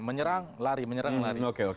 menyerang lari menyerang lari